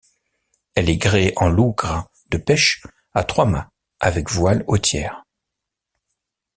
Elle est gréée en lougre de pêche à trois-mâts avec voiles au tiers.